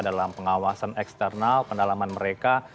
dalam pengawasan eksternal pendalaman mereka